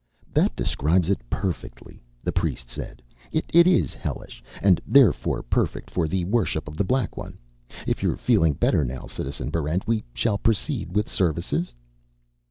"That describes it perfectly," the priest said. "It is hellish, and therefore perfect for the worship of The Black One. If you're feeling better now, Citizen Barrent, shall we proceed with services?"